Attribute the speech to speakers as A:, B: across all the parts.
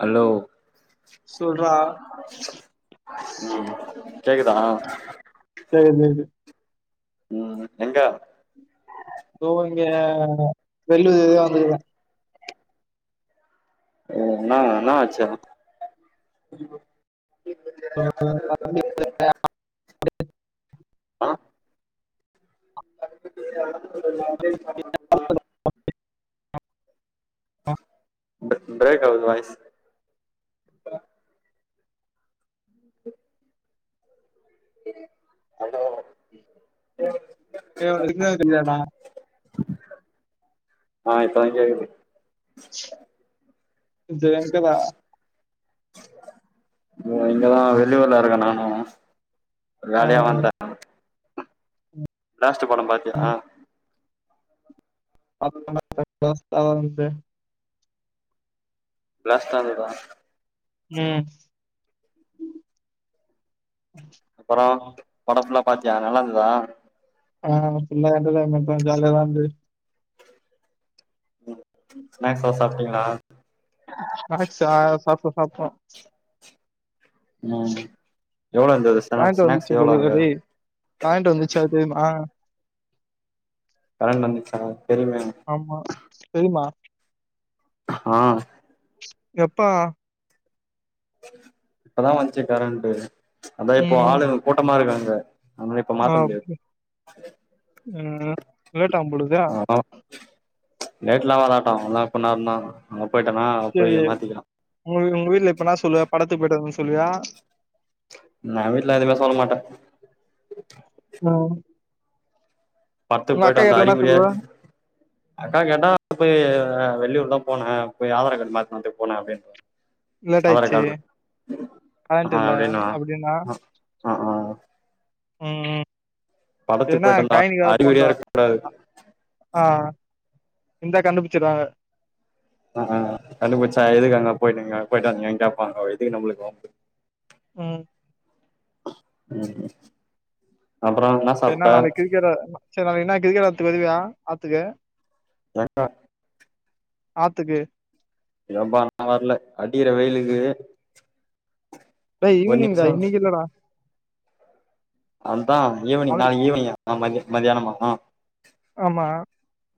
A: Hello
B: சொல்றா
A: ம் கேக்குதா
B: சரி சரி
A: ம் எங்க
B: தோ இங்க வெல்லூ தேடிதா வந்துருக்கே
A: உ இன்னா இன்னாச்சுயமா [unintelligible] ஆ [unintelligible] ப்ரே ப்ரேக்காவுது வாய்ஸ் ஹலோ
B: ஏ அவனுக் சிக்னல் தெரிஞ்சாதா
A: ஆ இப்ப தா கேக்குது
B: இது எங்கடா?
A: [unintelligible] தோ இங்கதா வெளியூர்ல இருக்கே நானு ஒரு
B: ஆ,
A: வேலையா வந்தே ப்லாஸ்ட்டு படம் பாத்தியா
B: [inaudible] சாதாரணமா உன்து
A: ப்லாஸ்டா இருந்ததா
B: ம்
A: அப்றோ படோ ஃபுல்லா பாத்தியா நல்லா இந்துதா
B: ஆ ஃபுல்லா [unintelligible] ஜாலியாதா இருந்து
A: ஸ்நாக்ஸ்லா சாப்டீங்ளா
B: ஸ்நாக்ஸா சாப்ணோ சாப்ணோ
A: ம் எவ்ளோ இருந்தது ஸ்நா
B: பேன்ட்டூ
A: ஸ்நாக்ஸ்
B: வந்துச்சு
A: எவ்ளோ அங்க
B: போலருக் டேய் பேன்ட்டூ வந்துச்சா தெரிமா
A: பேண்ட் வந்துச்சா தெரியுமே
B: ஆமா பெரிம்மா
A: ஆ
B: எப்பா
A: இப்பதா வச்சி கரண்ட்டு அதா இப்போ
B: ம்.
A: ஆளு கூட்டமா இருக் அங்க
B: ஆ ஓகே ம் ம் லேட்டாவுபோலகிது
A: ஆ லேட்லா ஆவாது டேல்டாவு இன்னு ஆப்னவர்தான அங்க போயிட்டனா போய் மாத்திக்கலா
B: உங் உங்க வீட்ல இப்பனா சொல்லுவ படத்துக் போயிட் வந்தன் சொல்வியா
A: நா வீட்ல எதுமே சொல் மாட்ட
B: நாம்
A: பட்த்துக் போயிட் வந்
B: கிட்ட என்ன
A: அறிகுறியே
B: சொல்லுவ?
A: அக்கா கேட்டா போய் வெளியூர் தா போன போய் ஆதார் கார்ட் மாத்தின் வற்துக் போன அப்படின்ற
B: லேட்
A: ஆதார்
B: ஆயிடுச்சு
A: காமின்
B: கரண்ட் இல்ல
A: அப்டின்னுவ
B: அப்டின்னா
A: அ அ
B: ம் ம்
A: படத்துக்கு
B: ஏனா
A: போயிட்டு வந்தா அறிகுறியா இருக்கு
B: [unintelligible] ஆ இந்தா கண்டுபுச்சிடுவாங்க
A: அ ஆ கண்டுபுச்சா எதுக் அங்க போயினிகே போயிட் வந்திகே கேப்பாங்கோ எதுக்கு நம்ளுக்கு வம்பு
B: ம்
A: ம் அப்றோ இனா சாப்ட
B: கீற சரி நாளைக் இனா கிரிக்கெட் விளாத்துக் வருவியா ஆத்துக்கு
A: எங்கா
B: ஆத்துக்கு
A: எப்பா நா வர்ல அடிக்கற வெயிலுக்கு
B: டேய்
A: ஒரு
B: ஈவினிங் டா
A: நிமிஷோ
B: இன்னிக் இல்லடா
A: அத்தா ஈவினிங்
B: நாளைக்கு
A: நாளைக் ஈவினிங் ம மதியானமா
B: ஆமா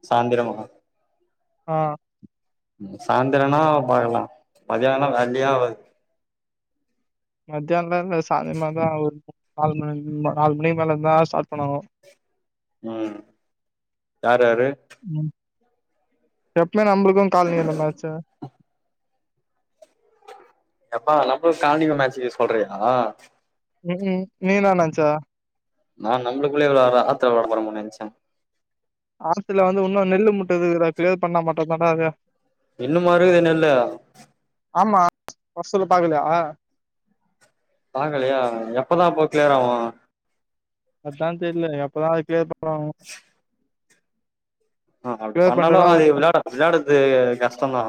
A: சாந்திரமா
B: ஆ
A: சாந்திரனா பாக்கலா மதியானா வேல்லயே ஆவாது
B: மத்தியால்ல சாந்தமா தா ஆவு நாலு மணி அமா நாலு மணிக்க மேல தா ஸ்டார்ட் பண்ணுவாங்கோ..
A: ம் யார் யாரு
B: ம் எப்மே நம்பளுக்கு கால்னி அந்த மேச்ச
A: எப்பா நம்ளுக் கால்னிக்கு மேச்சுகு சொல்றியா
B: உ உம் நீ இனா நன்ச்ச
A: நா நம்ளுக்குள்ளே விளார ஆத்ல விளாட போறோம்ன் நன்ச
B: ஆத்ல வந்து இன்னு நெல்லு மூட்ட இருகுதுடா கிளியர் பண்ணா மட்டோதான்டா அது
A: இன்னுமா வருது நெல்லு
B: ஆமா வர்சொல்லோ பாக்லயா
A: பாக்லியா எப்பதா அப்போ கிளியர்ராவு
B: எப்பதா தெர்ல எப்பதா அது க்ளியர் பன்னுவாங்
A: ஆ அப்டி
B: கிளியர்
A: பண்லனா
B: பண்ட்டோனா
A: விளா விளையாறது கஷ்ட தா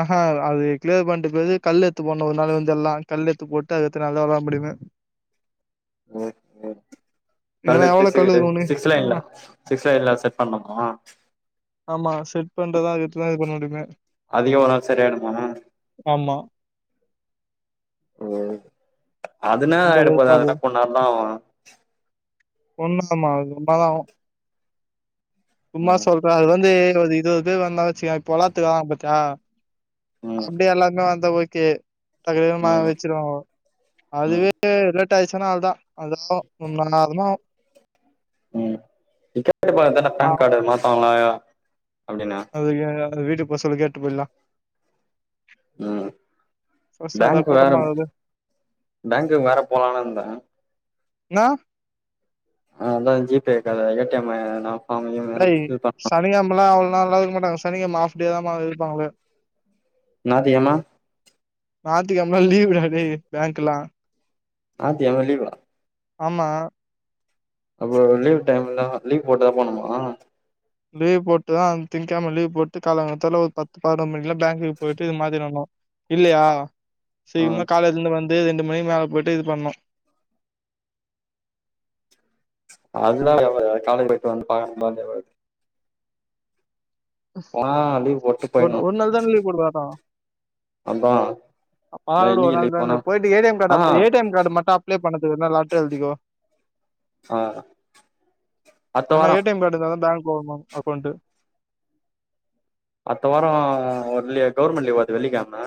B: ஆஹா அது கிளியர் பண்ட்டு போது கல் எத்து போட்னு ஒரு நாள் வந்து எல்லா கல் எத்து போட்டு அதுகத்து நல்லா விளாட முடியுமே
A: [inaudible] [unintelligible] கல்
B: ஏன்னா
A: எத்து
B: எவ்ளோ இருக்கு ஒன்னு
A: சிக்ஸ் லைன்ல
B: ஆ
A: சிக்ஸ் லைன்ல செட் பண்ணுமா
B: ஆமா செட் பண்றதா வீட்ல இது பண்ண முடியுமே
A: அதிகோ ஒரு நாள் சரியாய்டுமாணே
B: ஆமா
A: ஓ அதுனா
B: ரொம்ப
A: ஆயிட போது
B: வெறுப்பா
A: அதனா
B: போயிடும்.
A: கொன்னான்தா ஆவு
B: கொண்ணு தம் ஆகாது வம்பாதா ஆகு சும்மா
A: ம்
B: சொல்றே அது வந்து ஒரு இருவது பேர் வந்தா வச்சுக்கயே பொல்லாத்துகார பாத்தியா
A: ம்
B: அப்பிடியே எல்லாருமே வந்தா ஓகே அது வேகமா
A: ம்
B: ஆரம்பிச்சுருவாங்கோ
A: ம்
B: அதுவே அதுவே லேட்டாய்ருச்சுனா அவ்ளதா அதல்லா ஒன்னொன்னா ஆகனு
A: ம் கேட்டு பாத்தா
B: ஆ
A: பேன் கார்டு மாத்துவாங்கயா அப்டின்னே
B: அதுக்கு எங்கயாவது வீட்டுக்கு போ சொல்லு கேட்டு போயிலா
A: ம்
B: ஃபர்ஸ்ட் அதா
A: பேங்கு வேற
B: கூட்டமா வருது.
A: பேங்குக் வேற போலான் இருந்தே
B: என்னா
A: ஆ அதா ஜி பே இருக்கால ஏ டி எம்மு னா
B: ட்றை சனிகெழமலா அவ்ளோ நேரேலா இருக்க மாட்டாங்க சனிக்கெழம ஆஃப்டே தாமா இருப்பாங்களே
A: நாய்த்திகெழம
B: நாய்த்தி கெழமலா லீவ்டா டேய் பேங்க்கல்லா
A: நாய்த்திக்கெழமே லீவா
B: ஆமா
A: அப்ப லீவ் டைம்லா லீவ் போட்டா போணுமா
B: லீவ் போட்டுதா அந்த திங்கெழமே லீவ் போட்டு காலங்காத்தாலே ஒரு பத்து பதனொன் மணில பேங்குக்கு போயிட்டு இது மாத்திட்டு வரனு இல்லயா
A: ஆ
B: சீக்கரமா காலேஜ்ல இருந்து வந் து ரெண்டு மணிக்கு மேல போயிட்டு இது பண்ணணு
A: அதுனாலா எவ்ளவு காலேஜ் போட்டு வந்து [unintelligible] போனா லீவ் போட்டு
B: ஒரு
A: போயிட்ணு
B: ஒரு நாள் தான லீவு போட்டு பாத்தோ
A: அதா அதா
B: பார்டு ஒரு
A: என்னைக்கு
B: நாள்
A: லீவ் போனா
B: தான போயிட்டு ஏ டி எம் கார்டு
A: ஆ
B: apply A T M card மட்டு அப்ளே பண்ணதுக்கு வேனா என்ன லெட்டர் எழுதிக்கோ
A: ஆ அடுத்த
B: ஆனா
A: வாரோ
B: ஏ டி எம் கார்டு இருந்தா தா பேங்க் [unintelligible] அக்கோண்ட்டு
A: அடுத்த வாரோ ஒன் லீ கவர்மண்ட் லீவா அது வெள்ளிகெழமே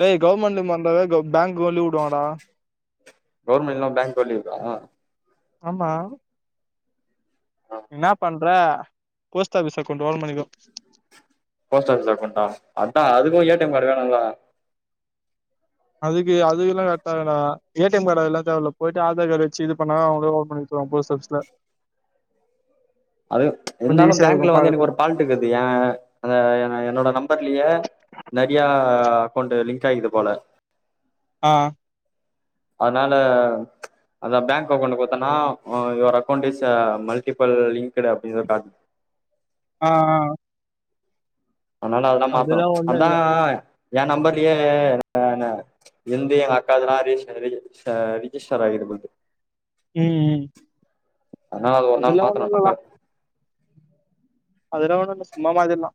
B: டேய் கவுர்மண்ட் வந்தாவே க பேங்க்கு லீவு வுடுவாங்கடா
A: கவர்மண்ட் [unintelligible] பேங்கு லீவா
B: ஆமா என்னா பண்ற போஸ்ட் ஆஃபிஸ் அக்கோண்ட் ஓபன் பண்ணிக்கோ
A: போஸ்ட் ஆபிஸ்ல அக்கோண்ட்டா அதா அதுக்கு ஏ டி எம் கார்டு வேணுல்ல
B: அதுக்கு அது எல்லா ரட்டாதுடா ஏ டி எம் கார்டு அதுலா தேவயில்ல போயிட்டு ஆதார் கார்ட வச்சு இது பண்ணா அவுங்களே ஓபன் அப்பறோ போஸ்ட் ஆஃபீஸ்ல
A: அது
B: கொஞ்ச
A: இருந்தாலு
B: ஈஸியா இருக்கு
A: பேங்க்ல வந்து எனக்கு
B: பாக்கறதுக்கு
A: ஒரு பால் ட்டு இருக்குது ஏ அந்த என என்னோட நம்பர்லயே நெறையா அக்கோண்ட்டு லிங்க் ஆய்க்குது போல
B: ஆ
A: அதுனால அதா பேங்க் அக்கோண்ட்டு குடுத்தோனா your account is multiple linked அப்டின் வரு காட்
B: ஆ ஆ
A: அதுனால அதல்லா
B: அதெல்லா
A: மாத்தணு
B: ஒண்ணு
A: அதா
B: இல்ல
A: எ நம்பர்லயே நானு எந்து எங்க அக்காதல்ல ரிஜிஸ்டர் ரிஜிஸ்டர் ரிஜிஸ்டர் ஆயிருகுது போல்ருக்கு
B: ம் ம்
A: ஆனா‌ அது ஒர் நாள்
B: அதெல்லா ஒண்ணு
A: மாத்தனும் நம்பர்
B: அதுலா வேணான்டா சும்மா மாத்திர்லா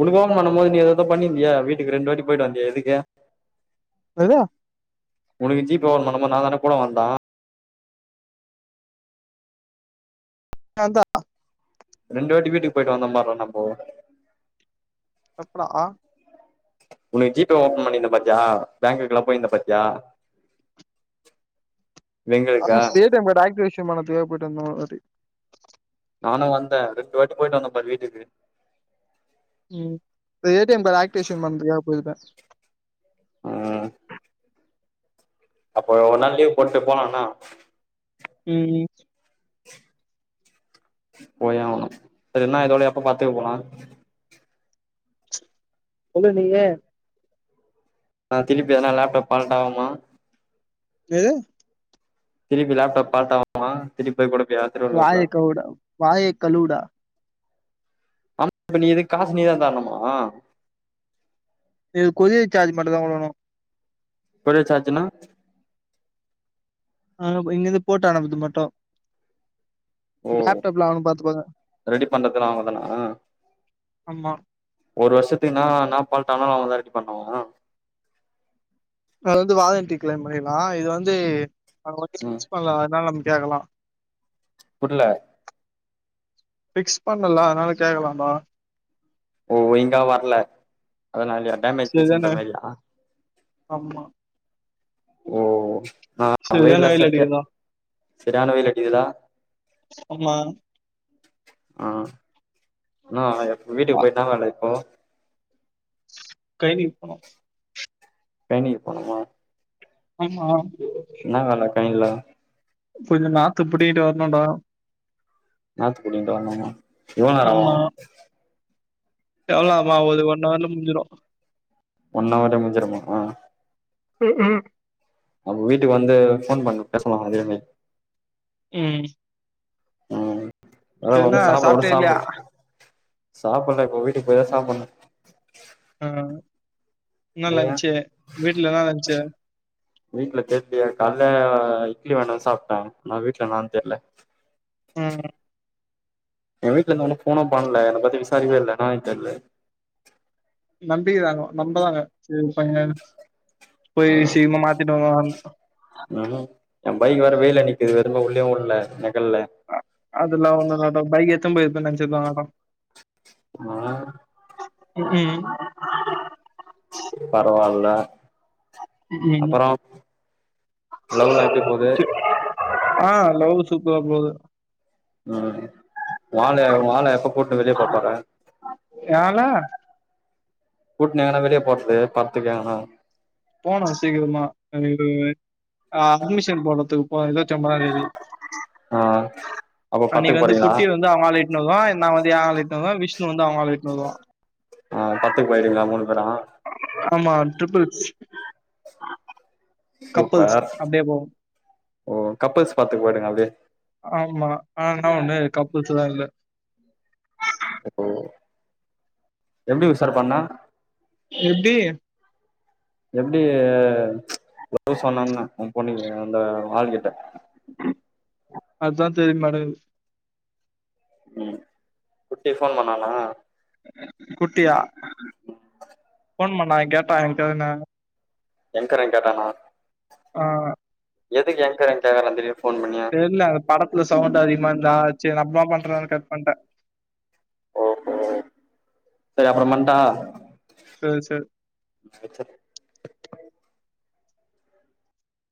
A: உனுக் ஓப்ப பண்ணும்போது நீ எதேதோ பண்ணிருந்தியே வீட்டுக்கு ரெண்டு வாட்டி போயிட்டு வந்தியே எதுக்கு
B: எதே
A: உனக்கு ஜீப்பே ஒன் பண்ணும்போது நா தான்டா கூட வந்த
B: அதா
A: ரெண்டு வாட்டி வீட்டுக் போயிட்டு வந்த பார்றா நம்போ
B: எப்டா
A: உனக்கு ஜிபே ஓபன் பண்ணிருந்த பத்தியா பேங்குக்குலா போயிந்த பாத்யா
B: ஆமா
A: வெங்கலுக்கா
B: ஏடிஎம் காடு ஆக்டிவேஷன் பண்ணதுக்காக போய்ட்டு வந்தோ ஒரு வாட்டி
A: நானு வந்த ரெண்டு வாட்டி போயிட்டு வந்தோ பார் வீட்டுக்கு
B: ம் ஏடிஎம் காட் ஆக்டிவிஷன் பண்றதுக்கா போயிருக்க
A: ம் அப்ப ஒர் நாள் லீவ் போட்டு போலான்ன
B: ம்
A: போயே ஆவுனு அது இன்ன இதோட எப்ப பட்த்துக்கு போலா
B: சொல்லு நீயே
A: அ திலுப்பி எதன லேப்டாப் பலட் ஆவுமா
B: ஏது
A: திலிப்பி லேப்டாப் பால்ட் ஆவுமா திருப்பி பேய் கூட ப்யா
B: வாய கவ்வுடா வாய கழுவுடா
A: அம் இப்ப நீ இதுக் காசு நீதா தர்ணுமா
B: இது கொரியர் சார்ஜ் மட்டுதா குடுக்குணு
A: கொரியர் சார்ஜ்ஜினா
B: இங்க போ இங்கேந்து போட்டு அனுப்பதுக்கு மட்டு
A: ஓ
B: லேப்டாப்ல அவனு பாத்துப்பாங்க
A: ரெடி பண்றதுல்லா அவுங்கதான
B: ஆமா
A: ஒரு வர்ஷத்துக்கு நா இன்னா பால்ட் ஆனாலு அவுங்கதா ரெடி பண்ணுவா
B: அத்லேந்து வாதண்டட்டி கிளைம் பண்ணர்லா இது வந்து நம்ம வந்து
A: ம்
B: பிக்ஸ் பண்ணல அத்னால நம்ம கேக்கலா
A: புர்ல
B: பிக்ஸ் பண்ணல அத்னால கேக்கலாடா
A: ஓ ஒய்ங்கா வர்ல அதனால்யா டேமேஜ் பீஸ்ன்ற மேரியா
B: ஆம்மா
A: ஓ ஆ
B: சரியான
A: வெயில்ல
B: வெயில்
A: சக்யா
B: அடிக்குதுடா
A: செரியான வெயில் அடிக்கிதுலா
B: அம்மா
A: அ நா எப் வீட்டுக்கு போய்ட்டு இன்னா வேல இப்போ
B: கைதிக் போனு
A: பேணி போணுமா
B: அம்மா
A: இன்னா வேல கைல்ல
B: கொஞ்ச நாத்து புடிங்கிட்டு வர்ணுன்டா
A: நாத்து புடுங்கிட்டு வர்ணுமா இவுள் நேர ஆவு
B: எவுள் நேரமா ஒரு ஒன் அவர்ல முஞ்சிரு
A: ஒன்ன அவர்ல முஞ்சிருமாமா
B: து ஏ
A: அப்ப வீட்டுக்கு வந்து போன் பண்ண பேசமா அதுயிமே
B: உம்
A: உஹம் அத
B: சரின்னா
A: ஒும் சாப்பிட ஒடும்
B: சாப்ட்டியா இல்லையா
A: சாப்பி சாப்பிடல இப்ப வீட்டுக்கு போய்தான் சாப்பிடும்
B: ஆஹ் லன்ச்
A: நீயு
B: இருந்துச்சு வீட்டுலதா லன்ச் இருந்துச்சு
A: வீட்டுல தேரலா கால இட்லி வேணும்னு சாப்பிட்டேன் நான் வீட்டுல நானும் தெரல
B: ம்
A: என் வீட்டுல இருந்து ஒன்னும் போனா பண்ணல என் பத்தி விசாரிக்கவே இல்ல நான் தெரியல
B: நம்பிக்கைதாங்க நம்பதாங்க போய் சிம்ம மாத்தட்டுங்க
A: ம் என் பைக்கு வேற வெயில நிக்குது விரும்ப உள்ளயும் உள்ளல நகழ்
B: அெல்லாம் ஒண்ணும்ட்டம் பை எத்தும் போய இதுண்ண நினச்சல்லவாங்கட்டம்
A: ஆஹ்
B: உம்
A: பரவால்ல
B: ம்ஹும்
A: அப்பறம் லவ்லா எப்டி போது
B: அ லவ்வு சூப்பரா போது
A: ம் ஓ ஆள ஓ ஆள எப்ப கூட்டுனு வெளிய போப்போற
B: ஏன் ஆள
A: கூட்னு எங்னா வெளிய போறது பட்த்துக்கெங்னா
B: போனு சீக்கிரமா அட்மிஷன் போட்றத்துக்கு வர இருவத்தி ஒம்பதாந்தேதி
A: ஆ அப்ப
B: அன்னிக்கி
A: படத்துக்கு
B: வந்து
A: போறீங்களா
B: குட்டி வந்து அவ ஆள இட்னு வருவான் நா வந்து என் ஆள இட்னு வருவன் விஷ்ணு வந்து அவன் ஆள இட்னு வருவான்
A: அ பட்த்துக்கு போய்டுவீங்ளா மூணு பேரும்
B: ஆமா ட்ரிபிள்ஸ் கப்புள்ஸ்
A: சூப்பர்
B: அப்டியே போவு
A: ஓ கப்புல்ஸ் பட்த்துக்கு போய்டுங்க அப்டியே
B: ஆமா ஆனா ஒண்ணு கப்புல்ஸ்லா இல்ல
A: ஓ எப்டி உஷார்ப்பண்ண
B: எப்டி
A: எப்டி லவ் சொன்னன்ன ஓ பொண்ணி அந்த ஆள்கிட்ட
B: அதா தெரியமாட்டங்குது
A: ம் குட்டிஃபோன் பண்ணானா
B: குட்டியா
A: ம்
B: ஃபோன் பண்ணா கேட்டாங்க எங்கிட்ட ஒன்ன
A: எங்க்கரேங் கேட்டானா
B: அ
A: எதுக் கேக்ற என்ட்ட இதல்லா திருப்பி ஃபோன் பண்ணி
B: இல்ல அந் படத்துல சவுண்டு அதிகமார்ந்தா சேர் நம்பம்மான்றதனால கட் பன்ட்டன்
A: ஓஹோ சரி அப்புறம்பன்ட்டா
B: சரி சரி
A: சரி ச்சர்றன்